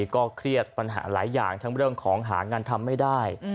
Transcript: ก็เครียดปัญหาหลายอย่างทั้งเรื่องของหางานทำไม่ได้